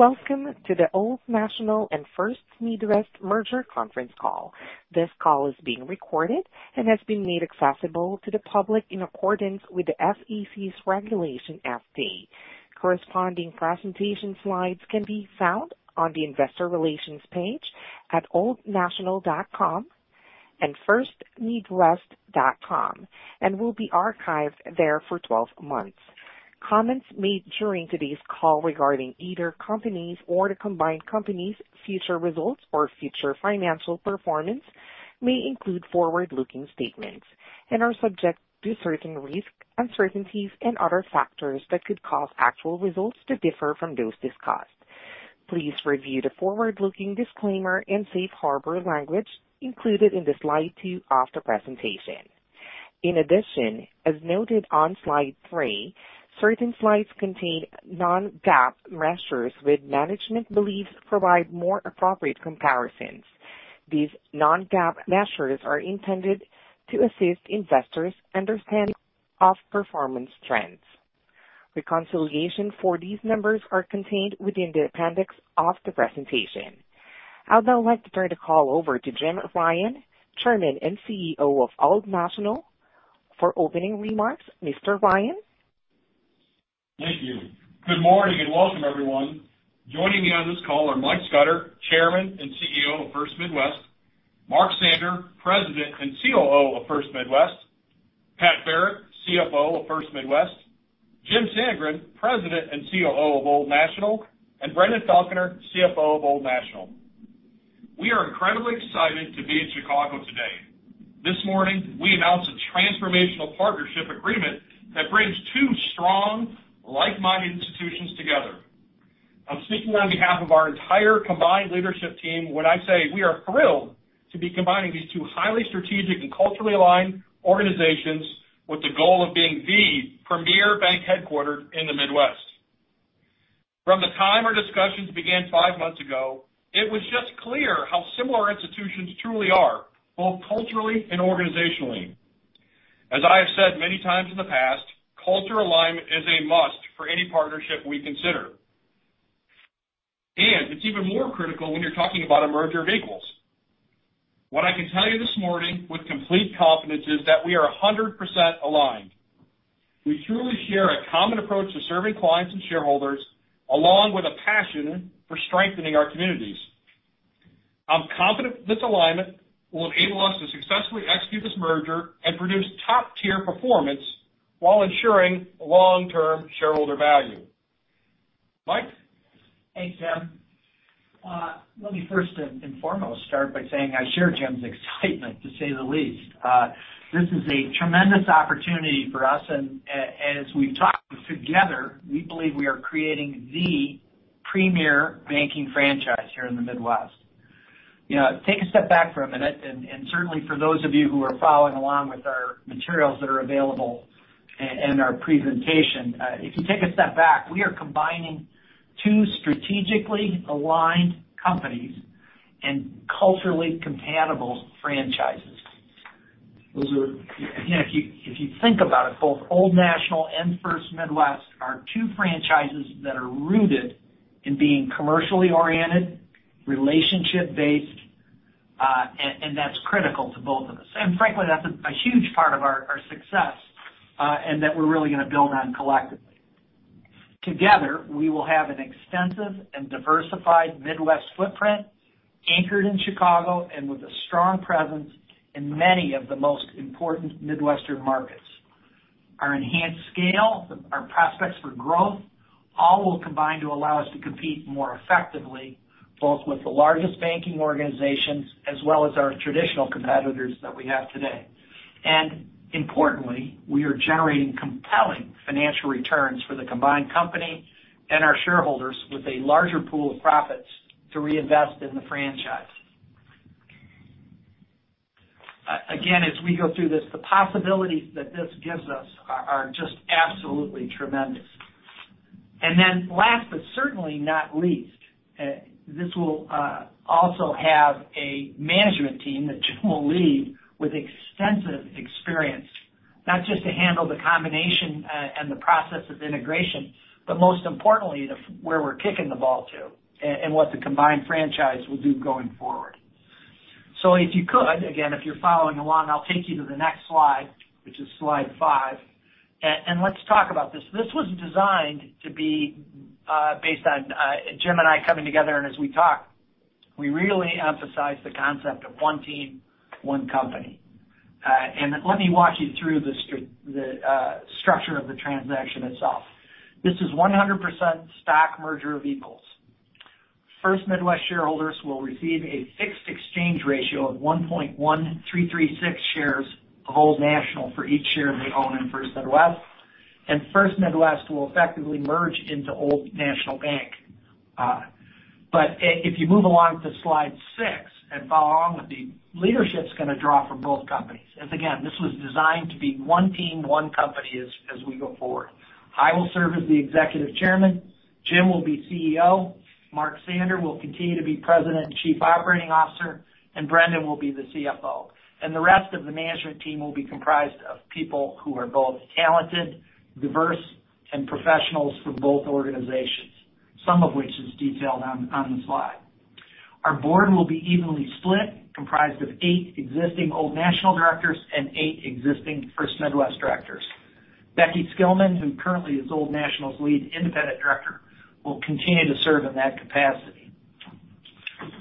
Welcome to the Old National and First Midwest Merger Conference Call. This call is being recorded and has been made accessible to the public in accordance with the SEC's Regulation FD. Corresponding presentation slides can be found on the investor relations page at oldnational.com and firstmidwest.com, and will be archived there for 12 months. Comments made during today's call regarding either company's or the combined company's future results or future financial performance may include forward-looking statements and are subject to certain risks, uncertainties, and other factors that could cause actual results to differ from those discussed. Please review the forward-looking disclaimer and safe harbor language included in the slide two of the presentation. In addition, as noted on slide three, certain slides contain non-GAAP measures, which management believes provide more appropriate comparisons. These non-GAAP measures are intended to assist investors' understanding of performance trends. The reconciliation for these numbers are contained within the appendix of the presentation. I'd now like to turn the call over to Jim Ryan, Chairman and CEO of Old National. For opening remarks, Mr. Ryan? Thank you. Good morning, and welcome, everyone. Joining me on this call are Michael Scudder, Chairman and CEO of First Midwest, Mark Sander, President and COO of First Midwest, Pat Barrett, CFO of First Midwest, Jim Sandgren, President and COO of Old National, and Brendon Falconer, CFO of Old National. We are incredibly excited to be in Chicago today. This morning, we announced a transformational partnership agreement that brings two strong like-minded institutions together. I'm speaking on behalf of our entire combined leadership team when I say we are thrilled to be combining these two highly strategic and culturally aligned organizations with the goal of being the premier bank headquartered in the Midwest. From the time our discussions began five months ago, it was just clear how similar our institutions truly are, both culturally and organizationally. As I have said many times in the past, cultural alignment is a must for any partnership we consider. It's even more critical when you're talking about a merger of equals. What I can tell you this morning with complete confidence is that we are 100% aligned. We truly share a common approach to serving clients and shareholders, along with a passion for strengthening our communities. I'm confident this alignment will enable us to successfully execute this merger and produce top-tier performance while ensuring long-term shareholder value. Mike? Thanks, Jim. Let me first and foremost start by saying I share Jim's excitement, to say the least. This is a tremendous opportunity for us, and as we've talked together, we believe we are creating the premier banking franchise here in the Midwest. Take a step back for a minute, and certainly for those of you who are following along with our materials that are available in our presentation, if you take a step back, we are combining two strategically aligned companies and culturally compatible franchises. If you think about it, both Old National and First Midwest are two franchises that are rooted in being commercially oriented, relationship based, and that's critical to both of us. Frankly, that's a huge part of our success, and that we're really going to build on collectively. Together, we will have an extensive and diversified Midwest footprint anchored in Chicago and with a strong presence in many of the most important Midwestern markets. Our enhanced scale, our prospects for growth, all will combine to allow us to compete more effectively, both with the largest banking organizations as well as our traditional competitors that we have today. And importantly, we are generating compelling financial returns for the combined company and our shareholders with a larger pool of profits to reinvest in the franchise. As we go through this, the possibilities that this gives us are just absolutely tremendous. And then, last but certainly not least, this will also have a management team that Jim will lead with extensive experience, not just to handle the combination and the process of integration, but most importantly, where we're kicking the ball to and what the combined franchise will do going forward. If you could, again, if you're following along, I'll take you to the next slide, which is slide five, and let's talk about this. This was designed to be based on Jim and I coming together, and as we talked, we really emphasized the concept of one team, one company. Let me walk you through the structure of the transaction itself. This is 100% stock merger of equals. First Midwest shareholders will receive a fixed exchange ratio of 1.1336 shares of Old National for each share they own in First Midwest, and First Midwest will effectively merge into Old National Bank. If you move along to slide six and follow along with me, leadership's going to draw from both companies. As again, this was designed to be one team, one company as we go forward. I will serve as the executive chairman. Jim will be CEO. Mark Sander will continue to be President and Chief Operating Officer, and Brendon will be the CFO. The rest of the management team will be comprised of people who are both talented, diverse, and professionals from both organizations, some of which is detailed on the slide. Our board will be evenly split, comprised of eight existing Old National directors and eight existing First Midwest directors. Becky Skillman, who currently is Old National's Lead Independent Director, will continue to serve in that capacity.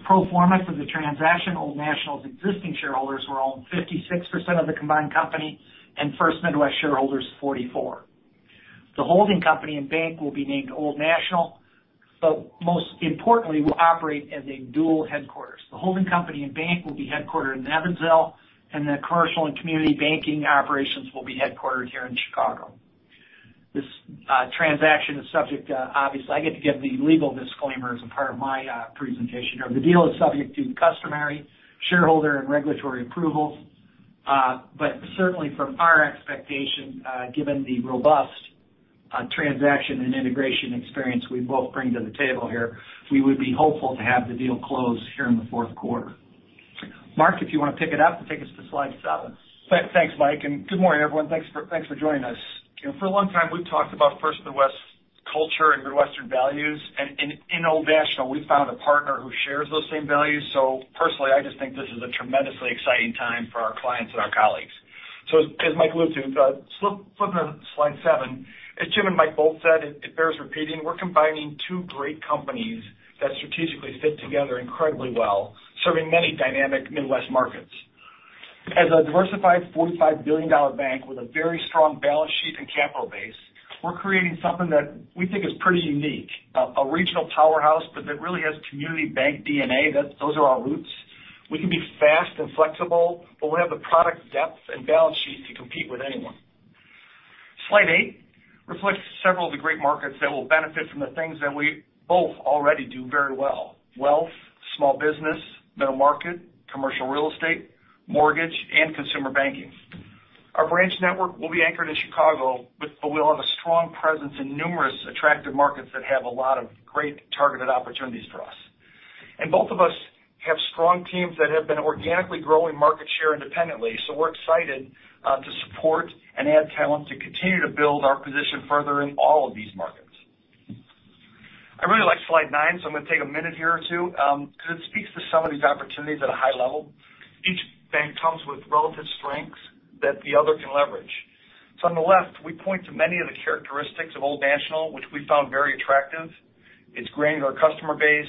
Pro forma for the transaction, Old National's existing shareholders will own 56% of the combined company, and First Midwest shareholders 44%. The holding company and bank will be named Old National, but most importantly, we'll operate as a dual headquarters. The holding company and bank will be headquartered in Evansville, and the commercial and community banking operations will be headquartered here in Chicago. This transaction is subject to, obviously, I get to give the legal disclaimer as a part of my presentation. The deal is subject to customary shareholder and regulatory approvals. But certainly from our expectation, given the robust transaction and integration experience we both bring to the table here, we would be hopeful to have the deal closed here in the fourth quarter. Mark, if you want to pick it up and take us to slide seven. Thanks, Mike, and good morning, everyone. Thanks for joining us. For a long time, we've talked about First Midwest's culture and Midwestern values. In Old National, we found a partner who shares those same values. Personally, I just think this is a tremendously exciting time for our clients and our colleagues. As Mike alluded to, flipping to slide seven, as Jim and Mike both said, it bears repeating, we're combining two great companies that strategically fit together incredibly well, serving many dynamic Midwest markets. As a diversified $45 billion bank with a very strong balance sheet and capital base, we're creating something that we think is pretty unique, a regional powerhouse that really has community bank DNA. Those are our roots. We can be fast and flexible, but we have the product depth and balance sheet to compete with anyone. Slide eight reflects several of the great markets that will benefit from the things that we both already do very well: wealth, small business, middle market, commercial real estate, mortgage, and consumer banking. Our branch network will be anchored in Chicago, but we'll have a strong presence in numerous attractive markets that have a lot of great targeted opportunities for us. Both of us have strong teams that have been organically growing market share independently. We're excited to support and add talent to continue to build our position further in all of these markets. I really like slide nine. I'm going to take a minute here or two because it speaks to some of these opportunities at a high level. Each bank comes with relative strengths that the other can leverage. On the left, we point to many of the characteristics of Old National, which we found very attractive. Its granular customer base,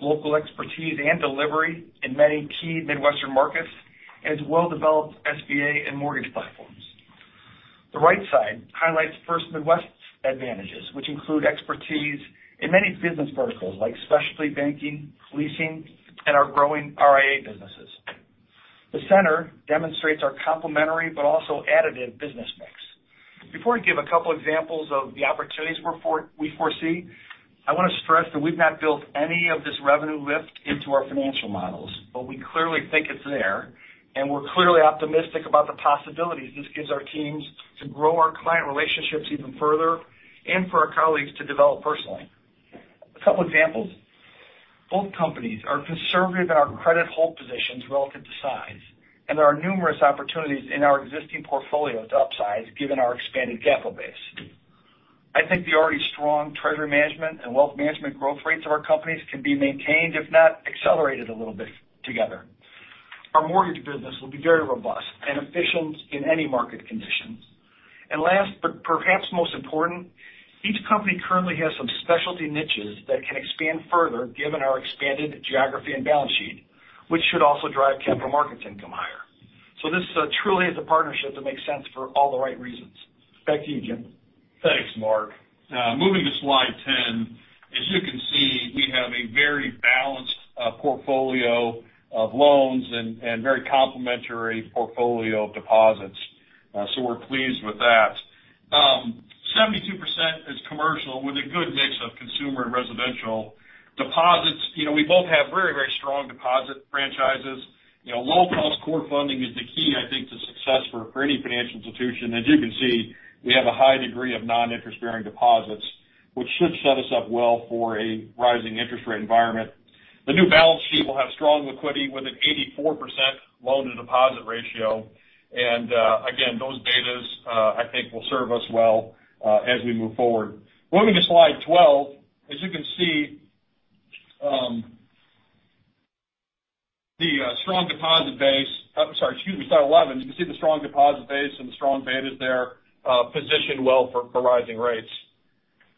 local expertise and delivery in many key Midwestern markets, and its well-developed SBA and mortgage platforms. The right side highlights First Midwest's advantages, which include expertise in many business verticals like specialty banking, leasing, and our growing RIA businesses. The center demonstrates our complementary but also additive business mix. Before we give a couple examples of the opportunities we foresee, I want to stress that we've not built any of this revenue lift into our financial models, but we clearly think it's there, and we're clearly optimistic about the possibilities this gives our teams to grow our client relationships even further and for our colleagues to develop personally. A couple examples. Both companies are conservative in our credit hold positions relative to size, and there are numerous opportunities in our existing portfolio to upsize given our expanded capital base. I think the already strong treasury management and wealth management growth rates of our companies can be maintained, if not accelerated a little bit together. Our mortgage business will be very robust and efficient in any market conditions. Last, but perhaps most important, each company currently has some specialty niches that can expand further given our expanded geography and balance sheet, which should also drive capital markets income higher. This truly is a partnership that makes sense for all the right reasons. Back to you, Jim. Thanks, Mark. Moving to slide 10, as you can see, we have a very balanced portfolio of loans and very complementary portfolio of deposits. We're pleased with that. 72% is commercial with a good mix of consumer and residential deposits. We both have very strong deposit franchises. Low-cost core funding is the key, I think, to success for any financial institution. As you can see, we have a high degree of non-interest-bearing deposits, which should set us up well for a rising interest rate environment. The new balance sheet will have strong liquidity with an 84% loan-to-deposit ratio. And again, those betas, I think, will serve us well as we move forward. Moving to slide 12, as you can see, the strong deposit base. I'm sorry, excuse me, slide 11. You can see the strong deposit base and the strong betas there position well for rising rates.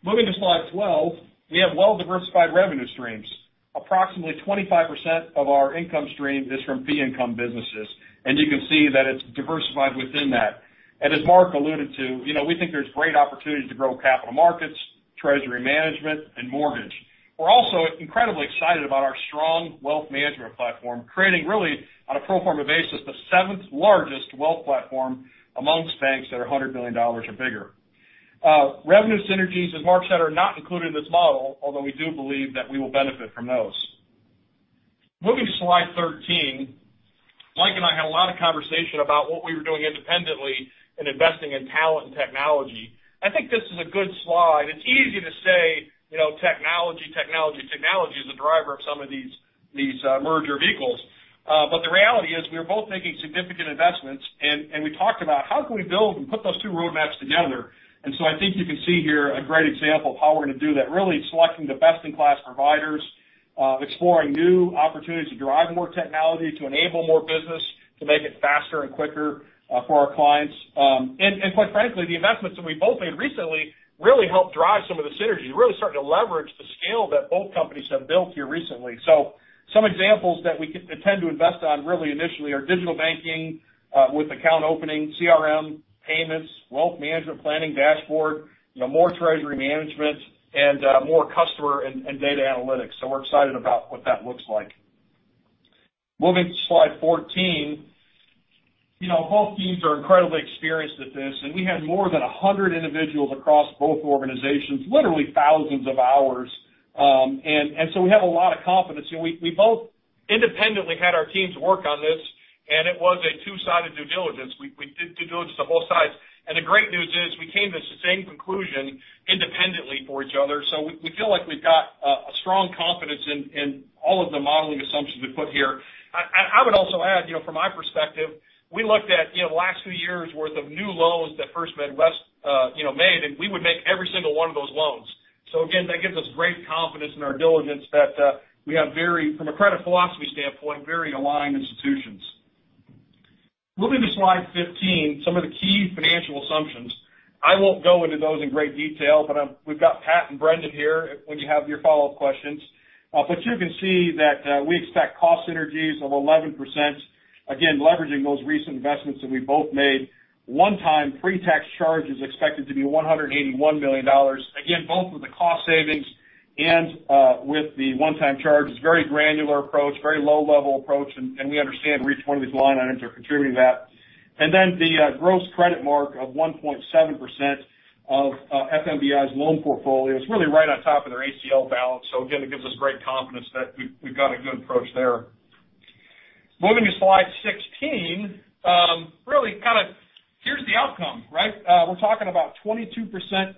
Moving to slide 12, we have well-diversified revenue streams. Approximately 25% of our income stream is from fee income businesses. You can see that it's diversified within that. As Mark alluded to, we think there's great opportunity to grow capital markets, treasury management, and mortgage. We're also incredibly excited about our strong wealth management platform, creating really a pro forma basis, the seventh-largest wealth platform amongst banks that are $100 million or bigger. Revenue synergies as Mark said are not included in this model, although we do believe that we will benefit from those. Moving to slide 13. Mike and I had a lot of conversation about what we were doing independently in investing in talent and technology. I think this is a good slide. It's easy to say technology is the driver of some of these merger vehicles. The reality is we are both making significant investments, and we talked about how can we build and put those two roadmaps together. I think you can see here a great example of how we're going to do that, really selecting the best-in-class providers, exploring new opportunities to drive more technology, to enable more business, to make it faster and quicker for our clients. Quite frankly, the investments that we've both made recently really help drive some of the synergies, really starting to leverage the scale that both companies have built here recently. Some examples that we intend to invest on really initially are digital banking with account opening, CRM, payments, wealth management planning, dashboard, more treasury management, and more customer and data analytics. We're excited about what that looks like. Moving to slide 14. Both teams are incredibly experienced at this, and we had more than 100 individuals across both organizations, literally thousands of hours. We have a lot of confidence. We both independently had our teams work on this, and it was a two-sided due diligence. We did due diligence on both sides. And the great news is we came to the same conclusion independently for each other. We feel like we've got a strong confidence in all of the modeling assumptions we put here. I would also add, from my perspective, we looked at the last few years' worth of new loans that First Midwest made. We would make every single one of those loans. Again, that gives us great confidence in our diligence that we have, from a credit philosophy standpoint, very aligned institutions. Moving to slide 15, some of the key financial assumptions. I won't go into those in great detail, but we've got Pat and Brendon here when you have your follow-up questions. You can see that we expect cost synergies of 11%, again, leveraging those recent investments that we both made. One-time pre-tax charge is expected to be $181 million. Again, both with the cost savings and with the one-time charge. It's a very granular approach, very low-level approach. We understand every one of these line items that contribute to that. And then the gross credit mark of 1.7% of FMBI's loan portfolio is really right on top of their ACL balance. Again, it gives us great confidence that we've got a good approach there. Moving to slide 16. Really here's the outcome, right? We're talking about 22%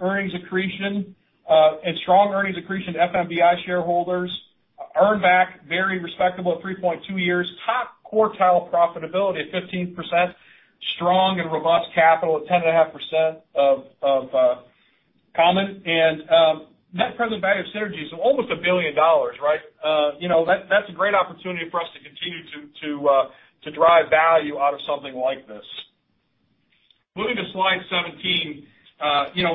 earnings accretion and strong earnings accretion to FMBI shareholders. Earn back very respectable 3.2 years. Top quartile profitability at 15%. Strong and robust capital at 10.5% of common. Net present value of synergy is almost $1 billion, right? That's a great opportunity for us to continue to drive value out of something like this. Moving to slide 17.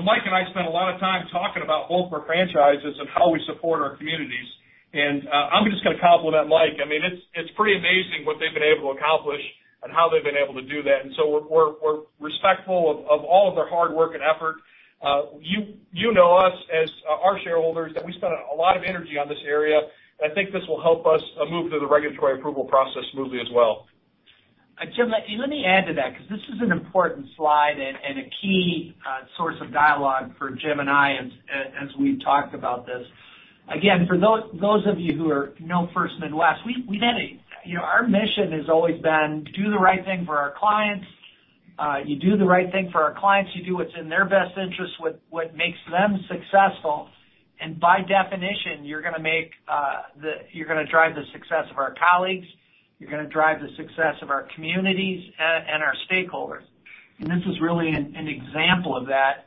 Mike and I spent a lot of time talking about both our franchises and how we support our communities. And I'm just going to compliment Mike. It's pretty amazing what they've been able to accomplish and how they've been able to do that. We're respectful of all of their hard work and effort. You know us, as our shareholders, that we spend a lot of energy on this area. I think this will help us move through the regulatory approval process smoothly as well. Jim, let me add to that, because this is an important slide and a key source of dialogue for Jim and I as we've talked about this. Again, for those of you who know First Midwest, our mission has always been do the right thing for our clients. You do the right thing for our clients. You do what's in their best interest, what makes them successful. And by definition, you're going to drive the success of our colleagues. You're going to drive the success of our communities and our stakeholders. This is really an example of that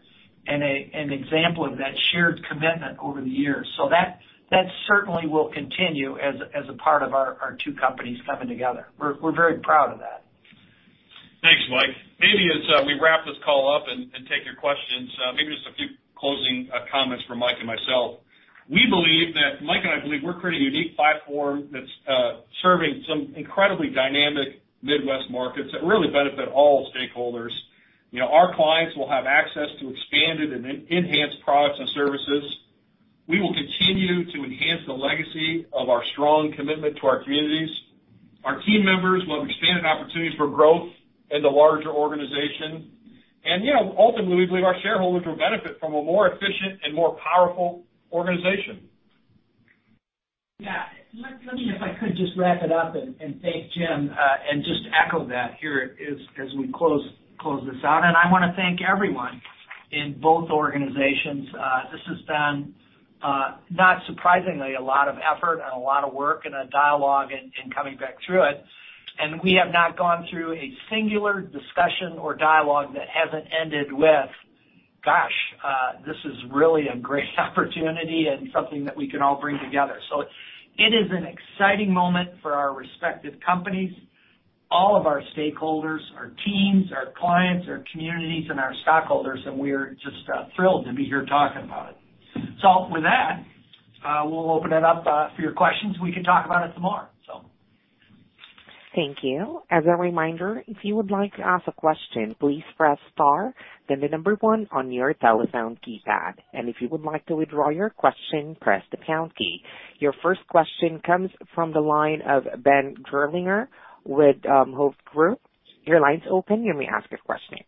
shared commitment over the years. That certainly will continue as a part of our two companies coming together. We're very proud of that. Thanks, Mike. Maybe as we wrap this call up and take your questions, maybe just a few closing comments from Mike and myself. We believe that, Mike and I believe we're creating a unique platform that's serving some incredibly dynamic Midwest markets that really benefit all stakeholders. Our clients will have access to expanded and enhanced products and services. We will continue to enhance the legacy of our strong commitment to our communities. Our team members will have expanded opportunities for growth in the larger organization. Ultimately, our shareholders will benefit from a more efficient and more powerful organization. Yeah. Let me, if I could just wrap it up and thank Jim and just echo that here as we close this out. I want to thank everyone in both organizations. This has been, not surprisingly, a lot of effort and a lot of work and a dialogue and coming back to it. And we have not gone through a singular discussion or dialogue that hasn't ended with, "Gosh, this is really a great opportunity and something that we can all bring together." It is an exciting moment for our respective companies, all of our stakeholders, our teams, our clients, our communities, and our stockholders, and we are just thrilled to be here talking about it. With that, we'll open it up for your questions. We can talk about it tomorrow. Thank you. As a reminder, if you would like to ask a question, please press star, then the number one on your telephone keypad. If you would like to withdraw your question, press the pound key. Your first question comes from the line of Ben Gerlinger with Hovde Group. Your line's open. You may ask your question.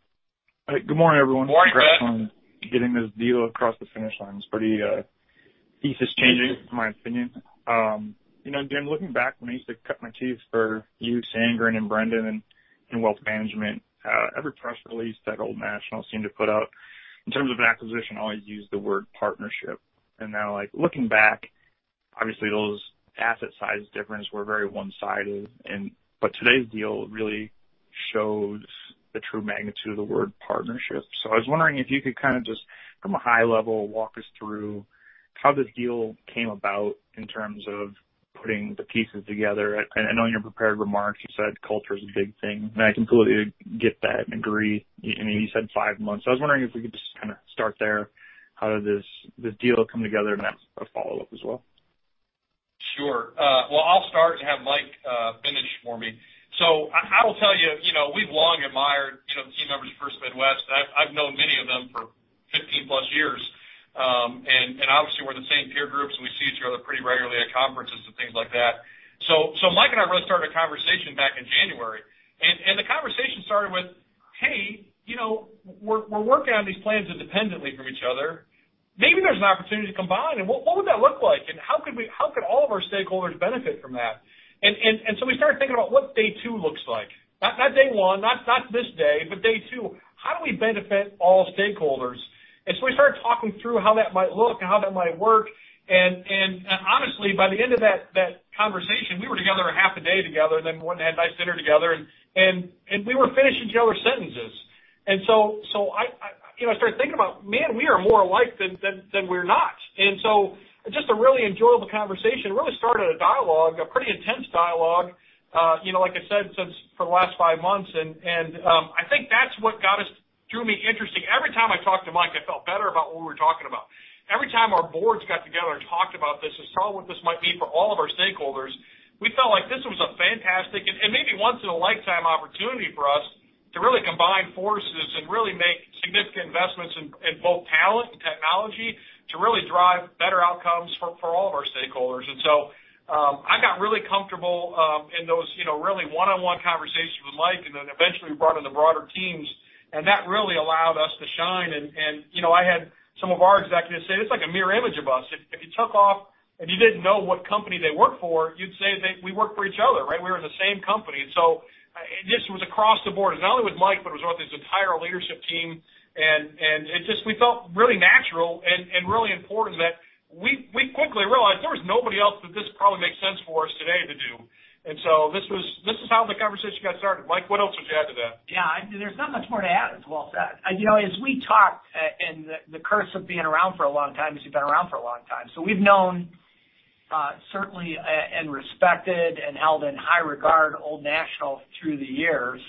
Good morning, everyone. Morning, Ben. Congratulations on getting this deal across the finish line. It's pretty piece exchanging, in my opinion. Again, looking back when I used to cut my teeth for years and Brendon in wealth management, every press release that Old National seemed to put up in terms of acquisition, always used the word partnership. And now, like, now looking back, obviously, those asset size difference were very one-sided. Today's deal really shows the true magnitude of the word partnership. I was wondering if you could kind of just from a high level, walk us through how this deal came about in terms of putting the pieces together. I know in your prepared remarks you said culture is a big thing, and I completely get that and agree. You said five months. I was wondering if we could just start there, how did this deal come together and I have a follow-up as well. Sure. Well, I'll start and have Mike finish for me. I will tell you, we've long admired key members of First Midwest. I've known many of them for 15+ years. Obviously, we're in the same peer groups. We see each other pretty regularly at conferences and things like that. Mike and I really started a conversation back in January, and the conversation started with, "Hey, you know, we're working on these plans independently from each other. Maybe there's an opportunity to combine, and what would that look like? How can all of our stakeholders benefit from that?" And we started thinking about what day two looks like. Not day one, not this day, but day two. How do we benefit all stakeholders? As we started talking through how that might look and how that might work. And honestly, by the end of that conversation, we were together half a day, went and had dinner together, and we were finishing each other's sentences. I started thinking about man, we are more alike than we're not. Just a really enjoyable conversation. Really started a dialogue, a pretty intense dialogue like I said, since for the last five months. I think that's what got us truly interesting. Every time I talked to Mike, I felt better about what we were talking about. Every time our boards got together and talked about this and saw what this might be for all of our stakeholders, we felt like this was a fantastic and maybe once in a lifetime opportunity for us to really combine forces and really make significant investments in both talent and technology to really drive better outcomes for all of our stakeholders. I got really comfortable in those really one-on-one conversations with Mike, then eventually we brought in the broader teams, and that really allowed us to shine. I had some of our executives say, "It's like a mirror image of us." If you took off and you didn't know what company they worked for, you'd say that we worked for each other, right? We were in the same company. It just was across the board, not only with Mike, but throughout this entire leadership team. It just felt really natural and really important that we quickly realized there was nobody else that this probably makes sense for us today to do. And so, this is how the conversation got started. Mike, what else would you add to that? Yeah, there's not much more to add. It's well said. As we talked, and the curse of being around for a long time is you've been around for a long time. We've known certainly, and respected and held in high regard Old National through the years.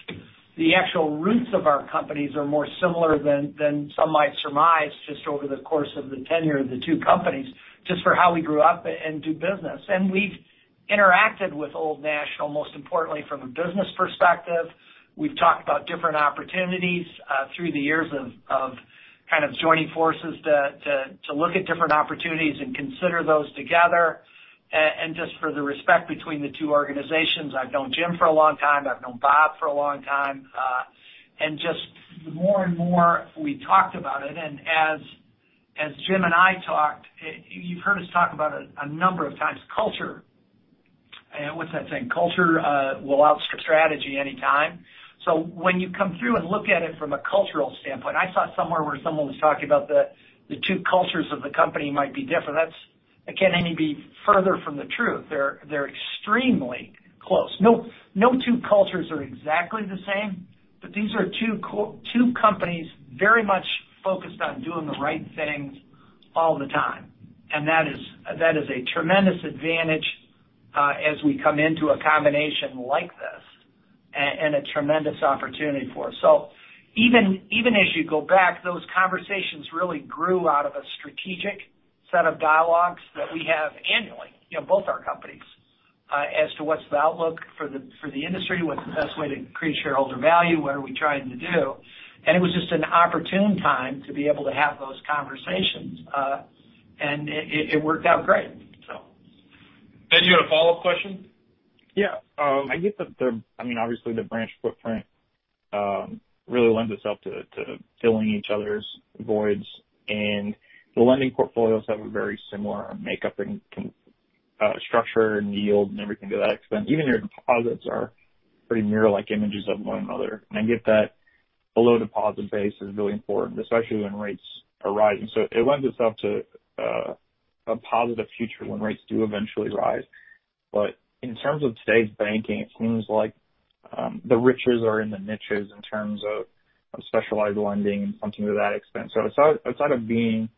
The actual roots of our companies are more similar than some might surmise just over the course of the tenure of the two companies, just for how we grew up and do business. We've interacted with Old National, most importantly from a business perspective. We've talked about different opportunities through the years of kind of joining forces to look at different opportunities and consider those together. Just for the respect between the two organizations. I've known Jim for a long time. I've known Bob for a long time. Just the more and more we talked about it, as Jim and I talked, you've heard us talk about it a number of times, culture. What's that saying? Culture will outstrip strategy any time. When you come through and look at it from a cultural standpoint, I saw somewhere where someone was talking about the two cultures of the company might be different. That can't any be further from the truth. They're extremely close. No two cultures are exactly the same. 'but these are two companies very much focused on doing the right thing all the time. And that is a tremendous advantage as we come into a combination like this and a tremendous opportunity for us. Even as you go back, those conversations really grew out of a strategic set of dialogues that we have annually in both our companies as to what's the outlook for the industry, what's the best way to create shareholder value, what are we trying to do? And it was just an opportune time to be able to have those conversations and it worked out great. Ben, do you have a follow-up question? Yeah. I get that obviously the branch footprint really lends itself to filling each other's voids. The lending portfolios have a very similar makeup and structure and yield and everything to that extent. Even your deposits are pretty mirror-like images of one another. I get that a low deposit base is really important, especially when rates are rising. It lends itself to a positive future when rates do eventually rise. In terms of today's banking, it seems like the riches are in the niches in terms of specialized lending and some of that expense. Outside of being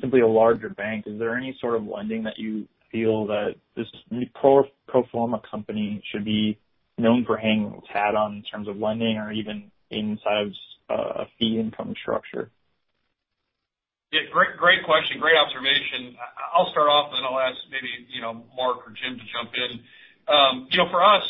simply a larger bank, is there any sort of lending that you feel that this pro forma company should be known for hanging its hat on in terms of lending or even any size fee income structure? Yeah, great question. Great observation. I'll start off, and then I'll ask maybe Mark or Jim to jump in. For us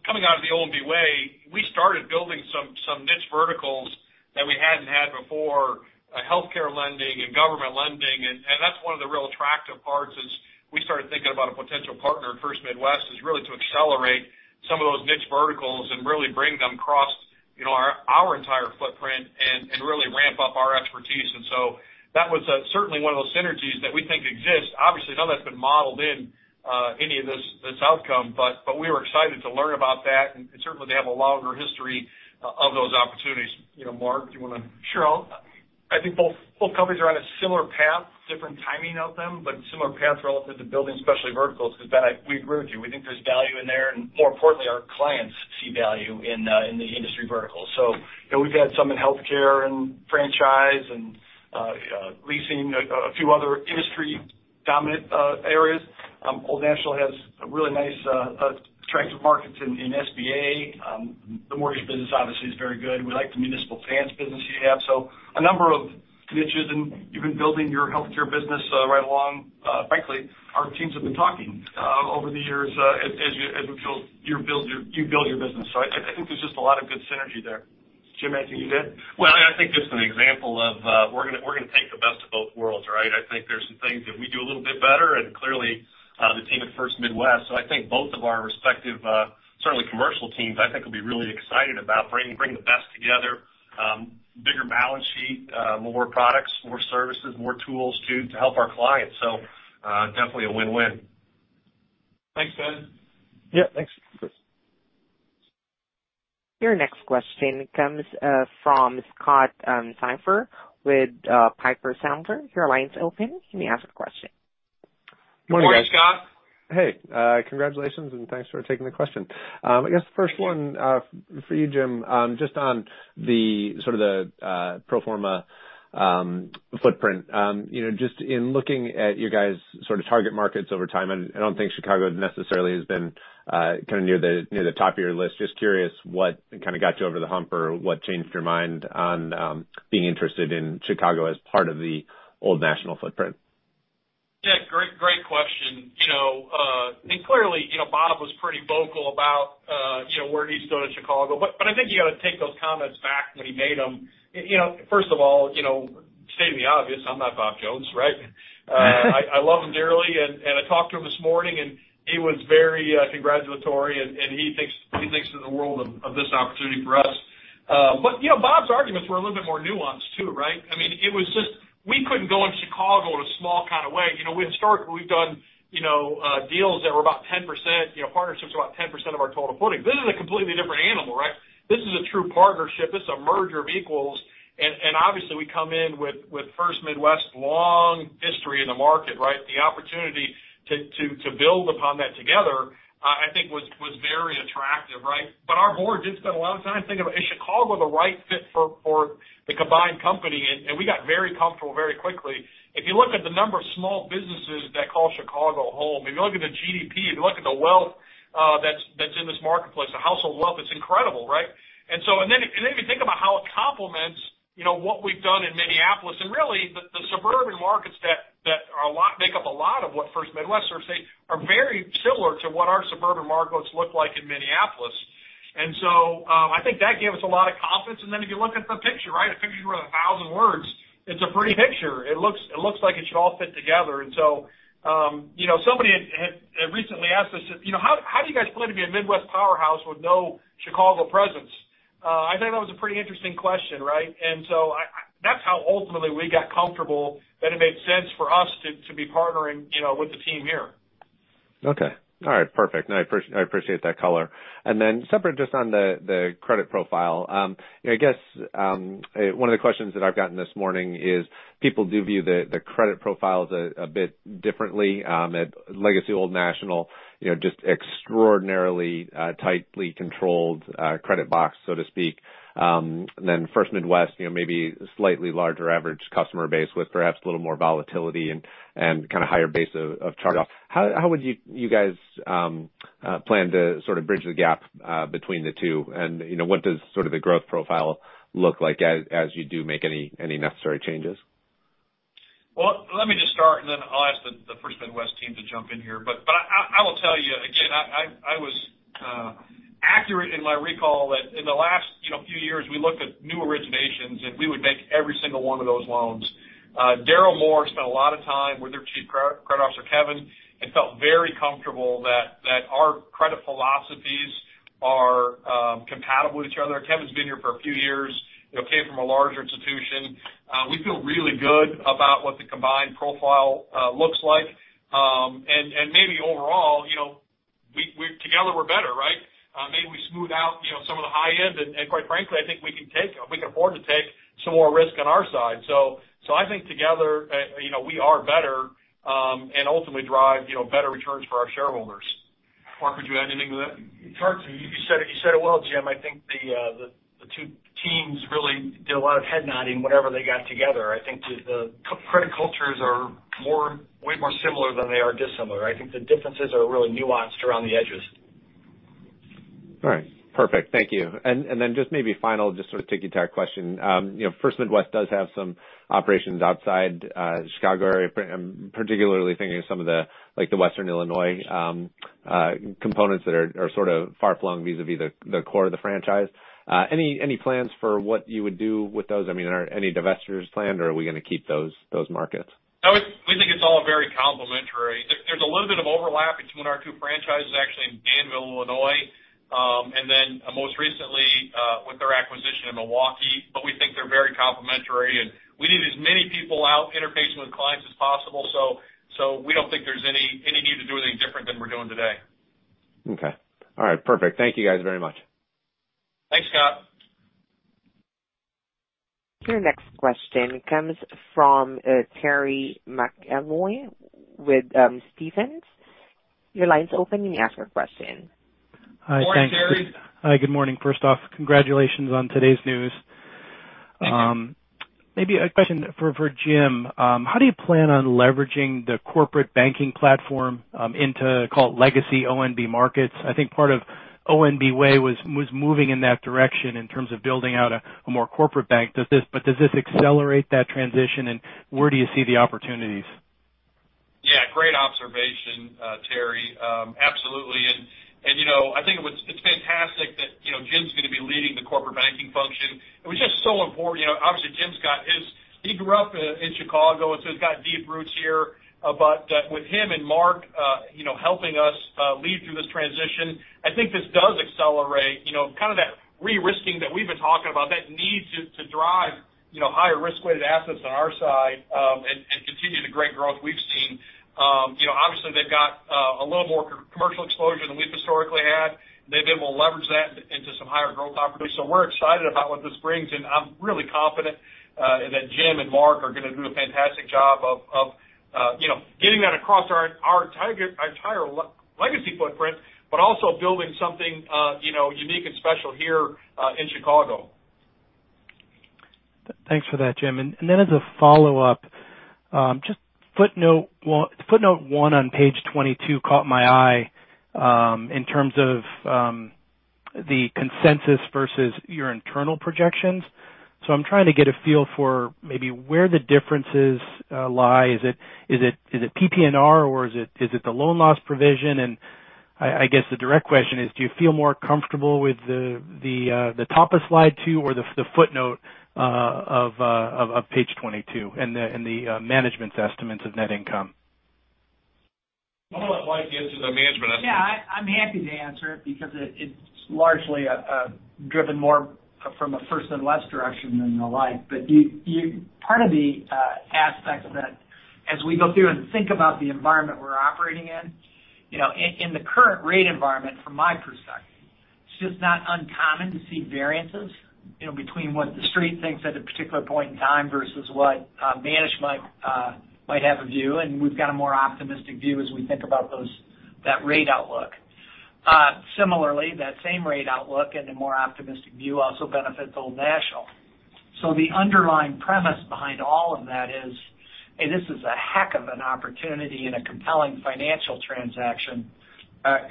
coming out of the ONB way, we started building some niche verticals that we haven't had before healthcare lending and government lending. And that's one of the real attractive parts as we started thinking about a potential partner at First Midwest, is really to accelerate some of those niche verticals and really bring them across our entire footprint and really ramp up our expertise. That was certainly one of those synergies that we think exists. Obviously, none of that's been modeled in any of this outcome, but we were excited to learn about that. Certainly, they have a longer history of those opportunities. Mark, do you want to? Sure. I think both companies are on a similar path, different timing of them, but similar path relative to building specialty verticals, because we agree with you. We think there's value in there. More importantly, our clients see value in the industry verticals. We've got some in healthcare and franchise and leasing, a few other industry dominant areas. Old National has a really nice attractive markets in SBA. The mortgage business obviously is very good. We like the municipal PABs business you have. A number of niches, and you've been building your healthcare business right along. Frankly, our teams have been talking over the years as you build your business. I think there's just a lot of good synergy there. Jim, anything you'd add? Well, I think just an example of we're going to take the best of both worlds, right? I think there's some things that we do a little bit better and clearly the team at First Midwest, I think both of our respective, certainly commercial teams, I think will be really excited about bringing the best together, bigger balance sheet, more products, more services, more tools to help our clients, definitely a win-win. Thanks, guys. Yeah, thanks. Your next question comes from Scott Siefers with Piper Sandler. Your line's open. You may ask a question. Good morning, Scott. Hey, congratulations, thanks for taking the question. I guess the first one for you, Jim, just on the pro forma footprint. Just in looking at your guys' target markets over time, I don't think Chicago necessarily has been near the top of your list. Just curious what got you over the hump or what changed your mind on being interested in Chicago as part of the Old National footprint? Yeah, great question. Clearly, Bob was pretty vocal about where he stood in Chicago. I think he would take those comments back when he made them. First of all, stating the obvious, I'm not Bob Jones, right? I love him dearly, and I talked to him this morning, and he was very congratulatory, and he thinks the world of this opportunity for us. Bob's arguments were a little bit more nuanced, too. It was just we couldn't go into Chicago in a small kind of way. Historically, we've done deals that were about 10%, partnerships about 10% of our total funding. This is a completely different animal. This is a true partnership. This is a merger of equals. And obviously, we come in with First Midwest's long history in the market. The opportunity to build upon that together I think was very attractive, right? Our board did spend a lot of time thinking about, is Chicago the right fit for the combined company? We got very comfortable very quickly. If you look at the number of small businesses that call Chicago home, if you look at the GDP, if you look at the wealth that's in this marketplace, the household wealth is incredible, right? If you think about how it complements what we've done in Minneapolis, and really the suburban markets that make up a lot of what First Midwest are saying are very similar to what our suburban markets look like in Minneapolis. And so, I think that gave us a lot of confidence. If you look at the picture, a picture is worth 1,000 words. It's a pretty picture. It looks like it should all fit together. And so, you know, somebody had recently asked us, "How do you guys claim to be a Midwest powerhouse with no Chicago presence?" I thought that was a pretty interesting question, right? And so, that's how ultimately we got comfortable that it made sense for us to be partnering with the team here. Okay. All right. Perfect. I appreciate that color. And then, separate just on the credit profile. I guess one of the questions that I've gotten this morning is people do view the credit profiles a bit differently. Legacy Old National, just extraordinarily tightly controlled credit box, so to speak. Then First Midwest, maybe a slightly larger average customer base with perhaps a little more volatility and kinda higher base of charge-off. How would you guys plan to sort off bridge the gap between the two? What does the growth profile look like as you do make any necessary changes? Well, let me just start, and then I'll ask the First Midwest team to jump in here. But I will tell you, again, if I was accurate in my recall that in the last few years, we looked at new originations, and we would make every single one of those loans. Daryl Moore spent a lot of time with their Chief Credit Officer, Kevin, and felt very comfortable that our credit philosophies are compatible with each other. Kevin's been here for a few years. He came from a larger institution. We feel really good about what the combined profile looks like. And maybe overall, together we're better, right? Maybe we smooth out some of the high end, and quite frankly, I think we can afford to take some more risk on our side. I think together we are better and ultimately drive better returns for our shareholders. Mark, would you add anything to that? Sure. You said it well, Jim. I think the two teams really did a lot of head nodding whenever they got together. I think the credit cultures are way more similar than they are dissimilar. I think the differences are really nuanced around the edges. Right. Perfect. Thank you. Just maybe final just sort of ticky-tack question. First Midwest does have some operations outside Chicago, particularly thinking some of the Western Illinois components that are sort of far-flung vis-a-vis the core of the franchise. Any plans for what you would do with those? I mean, are any divestitures planned or are we going to keep those markets? No, we think it's all very complementary. There's a little bit of overlap between our two franchises actually in Danville, Illinois, and then most recently with their acquisition in Milwaukee. We think they're very complementary and we need as many people out interfacing with clients as possible. We don't think there's any need to do anything different than we're doing today. Okay. All right. Perfect. Thank you guys very much. Thanks, Scott. Your next question comes from Terry McEvoy with Stephens. Your line is open. You may ask your question. Morning, Terry. Hi. Good morning. First off, congratulations on today's news. Maybe a question for Jim. How do you plan on leveraging the corporate banking platform into legacy ONB markets? I think part of The ONB Way was moving in that direction in terms of building out a more corporate bank. Does this accelerate that transition, and where do you see the opportunities? Yeah, great observation, Terry. Absolutely. I think it's fantastic that Jim's going to be leading the corporate banking function. It was just so important. Obviously Jim grew up in Chicago, and so he's got deep roots here. With him and Mark helping us lead through this transition, I think this does accelerate that re-risking that we've been talking about that needs to drive higher risk-weighted assets on our side and continue the great growth we've seen. Obviously, they've got a little more commercial exposure than we've historically had, and maybe we'll leverage that into some higher growth opportunities. We're excited about what this brings, and I'm really confident that Jim and Mark are going to do a fantastic job of getting that across our entire legacy footprint, but also building something unique and special here in Chicago. Thanks for that, Jim. As a follow-up, just footnote one on page 22 caught my eye in terms of the consensus versus your internal projections. I'm trying to get a feel for maybe where the differences lie. Is it PPNR or is it the loan loss provision? I guess the direct question is, do you feel more comfortable with the top of slide two or the footnote of page 22 and the management's estimates of net income? I'll let Mike answer the management estimate. Yeah, I'm happy to answer it because it's largely driven more from a First Midwest direction than the light. Part of the aspect of it, as we go through and think about the environment we're operating in the current rate environment, from my perspective, it's just not uncommon to see variances between what The Street thinks at a particular point in time versus what management might have a view, and we've got a more optimistic view as we think about that rate outlook. Similarly, that same rate outlook and a more optimistic view also benefits Old National. The underlying premise behind all of that is that this is a heck of an opportunity and a compelling financial transaction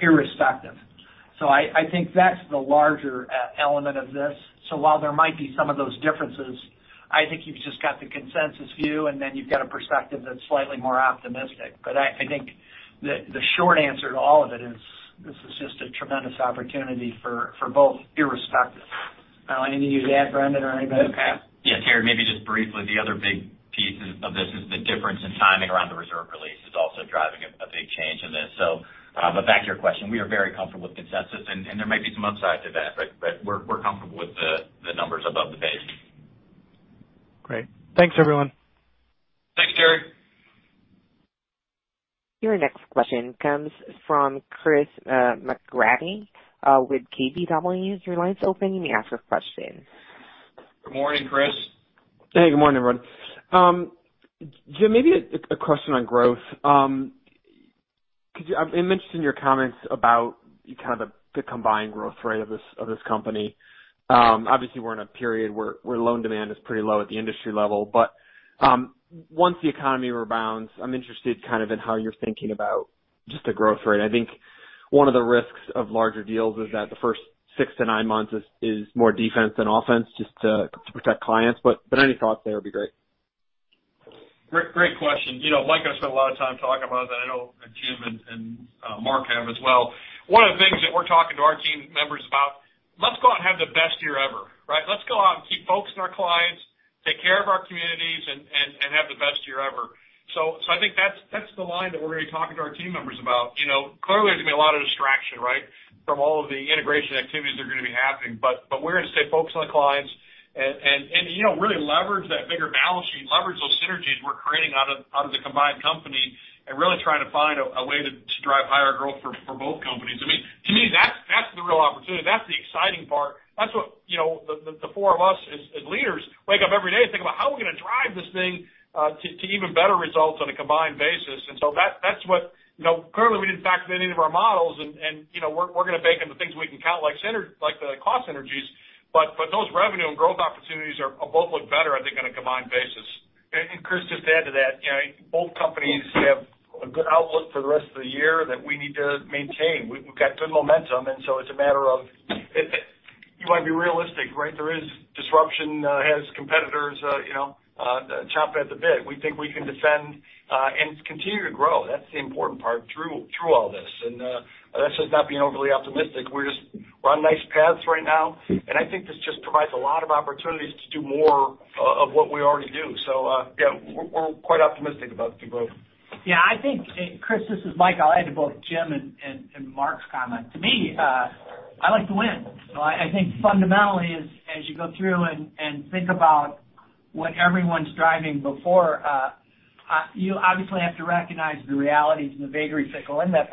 irrespective. I think that's the larger element of this. While there might be some of those differences, I think you've just got the consensus view, and then you've got a perspective that's slightly more optimistic. I think the short answer to all of it is this is just a tremendous opportunity for both irrespective. Pat, anything to add, Brendon or anybody? Okay. Yeah, Terry, maybe just briefly, the other big piece of this is the difference in timing around the reserve release is also driving a big change in this. Back to your question, we are very comfortable with consensus, and there may be some upside to that, but we're comfortable with the numbers above the base. Great. Thanks, everyone. Thanks, Terry. Your next question comes from Chris McGratty with KBW. Your line is open. You may ask your question. Good morning, Chris. Hey, good morning, everyone. Jim, maybe a question on growth. You mentioned in your comments about the combined growth rate of this company. Obviously, we're in a period where loan demand is pretty low at the industry level. Once the economy rebounds, I'm interested in how you're thinking about just the growth rate. I think one of the risks of larger deals is that the first six to nine months is more defense than offense just to protect clients. Any thoughts there would be great. Great question. Mike and I spend a lot of time talking about that. I know Jim and Mark have as well. One of the things that we're talking to our team members about, let's go out and have the best year ever, right? Let's go out and keep focusing on our clients, take care of our communities, and have the best year ever. I think that's the line that we're going to be talking to our team members about, you know. Clearly, there's going to be a lot of distraction from all of the integration activities that are going to be happening. But we're going to stay focused on the clients and really leverage that bigger balance sheet, leverage those synergies we're creating out of the combined company, and really try to find a way to drive higher growth for both companies. To me, that's the real opportunity. That's the exciting part. That's what the four of us as leaders wake up every day thinking about. How are we going to drive this thing to even better results on a combined basis? That's what currently we didn't factor any of our models, and we're going to bake in the things we can count like the cost synergies. Those revenue and growth opportunities both look better, I think, on a combined basis. And Chris just to add to that, both companies have a good outlook for the rest of the year that we need to maintain. We've got good momentum, and so it's a matter of you want to be realistic, right? There is disruption as competitors, you know, chopmpingat the bit. We think we can defend and continue to grow. That's the important part through all this, and that's just not being overly optimistic. We're just on nice paths right now, and I think this just provides a lot of opportunities to do more of what we already do. Yeah, we're quite optimistic about the growth. Yeah, I think, Chris, this is Mike. I'll add to both Jim and Mark's comment. To me, I like to win. I think fundamentally, as you go through and think about what everyone's driving before, you obviously have to recognize the realities and the vagaries that go in that.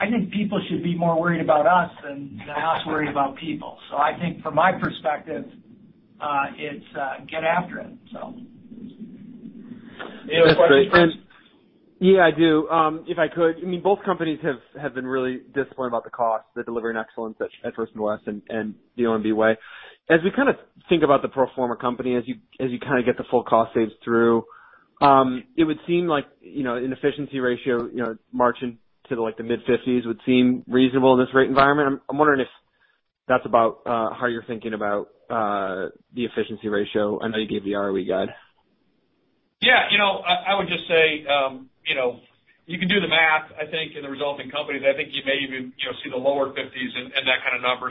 I think people should be more worried about us than us worry about people. I think from my perspective, it's get after it. You have a follow-up question, Chris? Yeah, I do. If I could, both companies have been really disciplined about the cost. They're delivering excellence at First Midwest and The ONB Way. As you think about the pro forma company, as you get the full cost saves through, it would seem like an efficiency ratio marching to the mid-50s would seem reasonable in this rate environment. I'm wondering if that's about how you're thinking about the efficiency ratio and the ROE guide. Yeah, you know, I would just say you can do the math, I think, in the resulting companies. I think you may even see the lower 50s and that kind of number.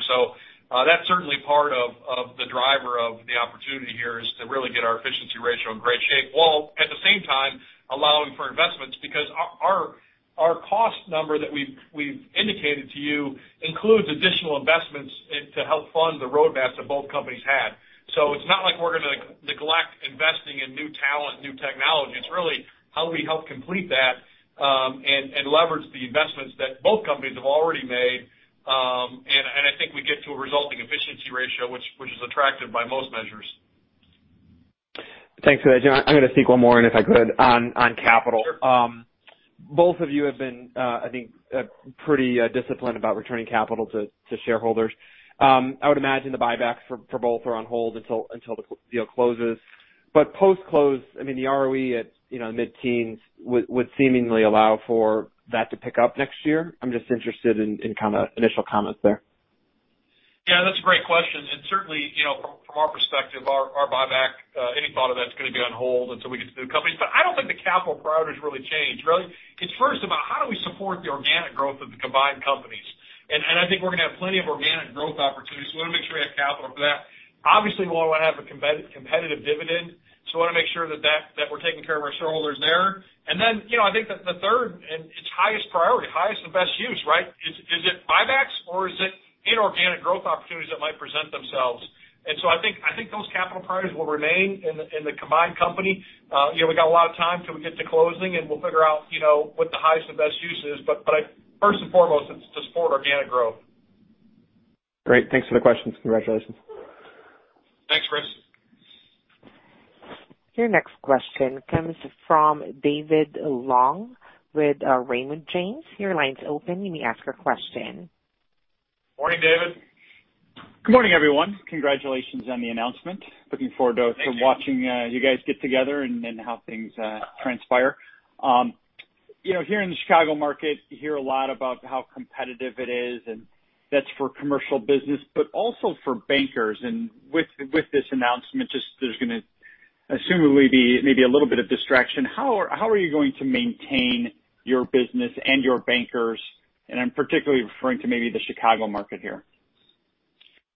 That's certainly part of the driver of the opportunity here is to really get our efficiency ratio in great shape, while at the same time allowing for investments, because our cost number that we've indicated to you includes additional investments to help fund the roadmaps that both companies had. It's not like we're going to neglect investing in new talent, new technology. It's really how do we help complete that and leverage the investments that both companies have already made, and I think we get to a resulting efficiency ratio, which is attractive by most measures. Thanks for that, Jim. I'm going to sneak one more in if I could on capital. Both of you have been, I think, pretty disciplined about returning capital to shareholders. I would imagine the buybacks for both are on hold until the deal closes. Post-close, the ROE at mid-teens would seemingly allow for that to pick up next year. I'm just interested in initial comments there. Yeah, that's a great question. Certainly, from our perspective, our buyback, any buyback is going to be on hold until we get to the companies. I don't think the capital priorities really change, really. It's first about how do we support the organic growth of the combined companies? I think we're going to have plenty of organic growth opportunities. We want to make sure we have capital for that. Obviously, we want to have a competitive dividend. We want to make sure that we're taking care of our shareholders there. Then, I think that the third and its highest priority, highest and best use, right? Is it buybacks or is it inorganic growth opportunities that might present themselves? I think those capital priorities will remain in the combined company. We got a lot of time till we get to closing, and we'll figure out what the highest and best use is. First and foremost, it's to support organic growth. Great. Thanks for the questions. Congratulations. Thanks, Chris. Your next question comes from David Long with Raymond James. Your line's open. You may ask your question. Morning, David. Good morning, everyone. Congratulations on the announcement. Thank you. Looking forward to watching you guys get together and then how things transpire. You know, here in the Chicago market, you hear a lot about how competitive it is, and that's for commercial business, but also for bankers. With this announcement, just there's going to seemingly be maybe a little bit of distraction. How are you going to maintain your business and your bankers? I'm particularly referring to maybe the Chicago market here.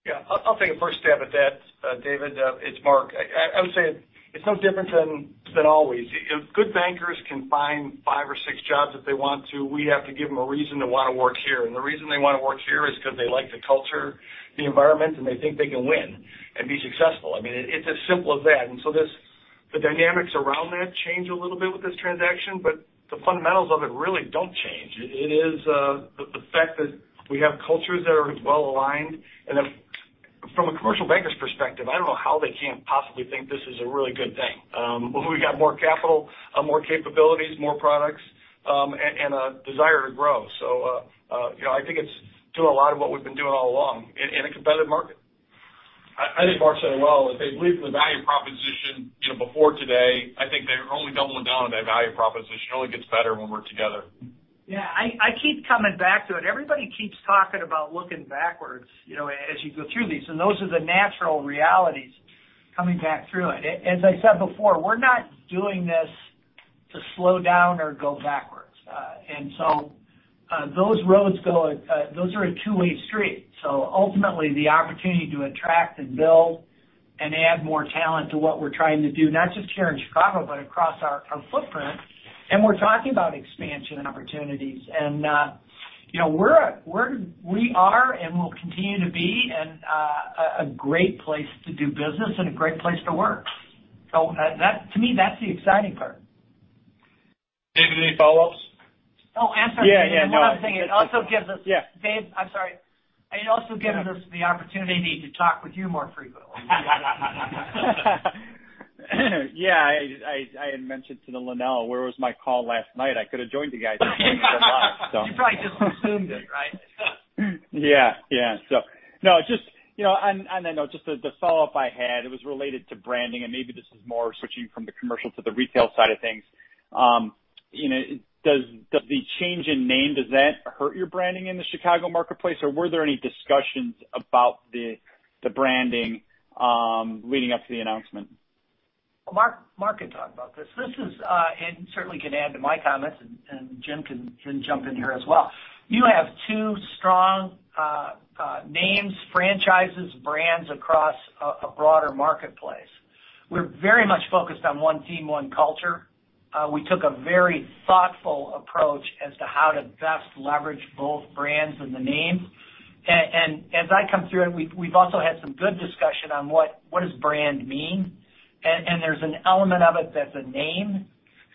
Yeah. I'll take the first stab at that, David. It's Mark. I would say it's no different than always. Good bankers can find five or six jobs if they want to. We have to give them a reason to want to work here. The reason they want to work here is because they like the culture, the environment, and they think they can win and be successful. I mean, it's as simple as that. The dynamics around that change a little bit with this transaction, but the fundamentals of it really don't change. It is the fact that we have cultures that are well-aligned, and from a commercial banker's perspective, I don't know how they can't possibly think this is a really good thing. We've got more capital, more capabilities, more products, and a desire to grow. So, you know, I think it's still a lot of what we've been doing all along in a competitive market. I think Mark said it well. If they believe the value proposition before today, I think they're only doubling down on that value proposition. It only gets better when we're together. Yeah. I keep coming back to it. Everybody keeps talking about looking backwards as you go through these, and those are the natural realities coming back through it. As I said before, we're not doing this to slow down or go backwards. And so, those roads, those are a two-way street. Ultimately, the opportunity to attract and build and add more talent to what we're trying to do, not just here in Chicago, but across our footprint. We're talking about expansion opportunities. And we are and will continue to be a great place to do business and a great place to work. That, to me, that's the exciting part. David, any follow-ups? Also, some other- Yeah. One other thing. It also gives us- Yeah. Dave, I'm sorry. It also gives us the opportunity to talk with you more frequently. Yeah. I had mentioned to Lynell, where was my call last night? I could have joined you guys. You probably just assumed it, right? Yeah. Yeah, so. No, just, you know, I know just as a follow-up I had, it was related to branding, and maybe this is more switching from the commercial to the retail side of things. Does the change in name, does that hurt your branding in the Chicago marketplace, or were there any discussions about the branding leading up to the announcement? Mark can talk about this. Certainly can add to my comments, and Jim can jump in here as well. You have two strong names, franchises, brands across a broader marketplace. We're very much focused on one team, one culture. We took a very thoughtful approach as to how to best leverage both brands and the names. As I come through, and we've also had some good discussion on what does brand mean. There's an element of it that's a name,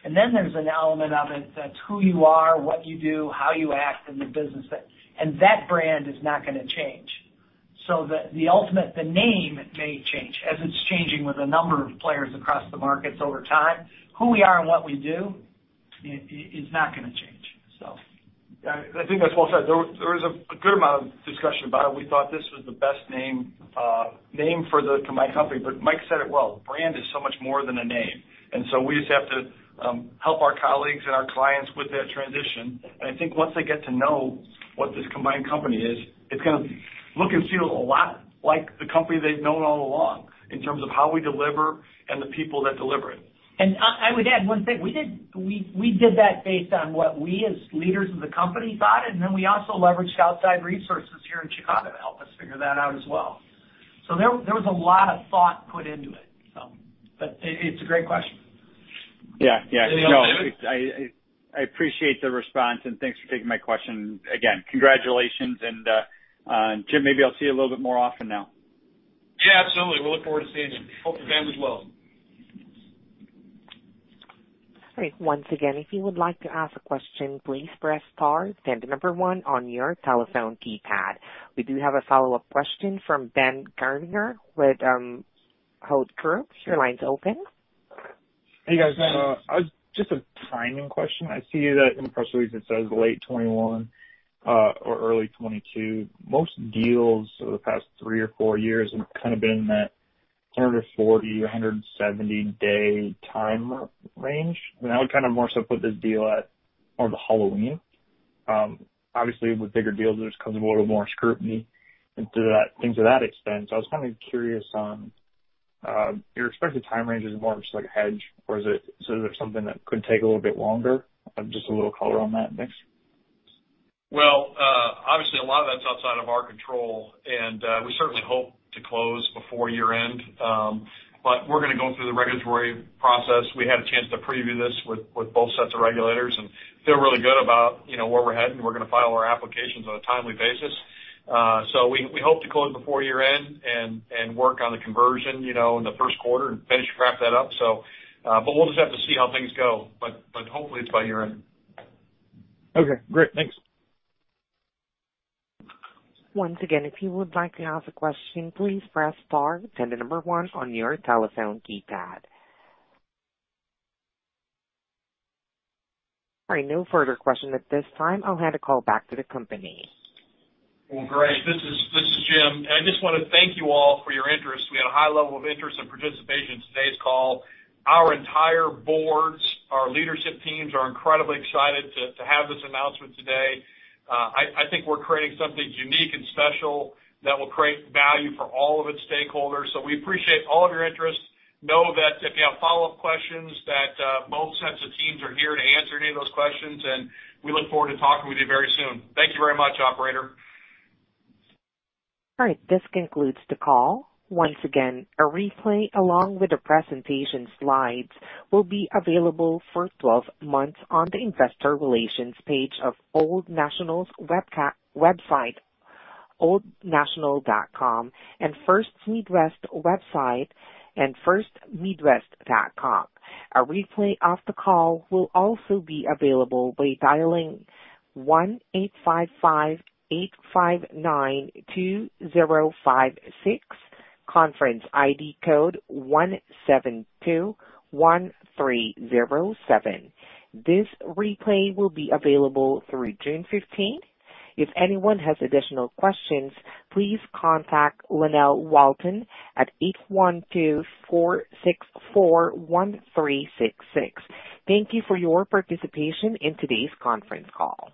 and then there's an element of it that's who you are, what you do, how you act in the business. And that brand is not going to change. The ultimate, the name may change as it's changing with a number of players across the markets over time. Who we are and what we do is not going to change. I think that's well said. There was a good amount of discussion about it. We thought this was the best name for the combined company. Mike said it well, brand is so much more than a name. We just have to help our colleagues and our clients with that transition. I think once they get to know what this combined company is, it's going to look and feel a lot like the company they've known all along in terms of how we deliver and the people that deliver it. Again, one thing, we did that based on what we as leaders of the company thought, and then we also leveraged outside resources here in Chicago to help us figure that out as well. There was a lot of thought put into it. It's a great question. Yeah. Yeah. I appreciate the response and thanks for taking my question. Again, congratulations. Jim, maybe I'll see you a little bit more often now. Yeah, absolutely. Look forward to seeing you. Hope the family is well. All right. Once again, if you would like to ask a question, please press star then the number one on your telephone keypad. We do have a follow-up question from Ben Gerlinger with Hovde Group. Your line is open. Hey, guys, just a timing question. I see that in press release it says late 2021 or early 2022. Most deals for the past three or four years have kind of been in that 140, 170 day time range. Now we kind of more so put this deal at on Halloween. Obviously with bigger deals, there comes a little more scrutiny into that extent. I was kind of curious on your expected time range is more just like a hedge or is it something that could take a little bit longer? Just a little color on that mix. Well, obviously a lot of that's outside of our control, and we certainly hope to close before year-end. We're going to go through the regulatory process. We had a chance to preview this with both sets of regulators, and they're really good about where we're heading. We're going to file our applications on a timely basis. We hope to close before year-end and work on the conversion in the first quarter and finish wrap that up. We'll just have to see how things go. Hopefully it's by year-end. Okay, great. Thanks. Once again, if you would like to ask a question, please press star then the number one on your telephone keypad. All right, no further questions at this time. I'll hand the call back to the company. Great. This is Jim. I just want to thank you all for your interest. We had a high level of interest and participation in today's call. Our entire boards, our leadership teams are incredibly excited to have this announcement today. I think we're creating something unique and special that will create value for all of its stakeholders. We appreciate all of your interest. Know that if you have follow-up questions, that both sets of teams are here to answer any of those questions, and we look forward to talking with you very soon. Thank you very much, Operator. All right. This concludes the call. Once again, a replay along with the presentation slides will be available for 12 months on the investor relations page of Old National's website, oldnational.com and First Midwest website at firstmidwest.com. A replay of the call will also be available by dialing 1-855-859-2056, conference ID code 1721307. This replay will be available through 15 June 15th. If anyone has additional questions, please contact Lynell Walton at 812-464-1366. Thank you for your participation in today's conference call.